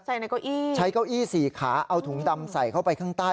ในเก้าอี้ใช้เก้าอี้สี่ขาเอาถุงดำใส่เข้าไปข้างใต้